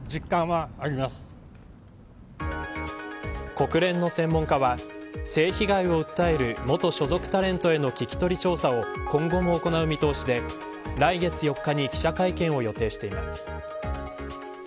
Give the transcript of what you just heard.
国連の専門家は性被害を訴える元所属タレントへの聞き取り調査を今後も行う見通しで来月４日に記者会見を予定しています。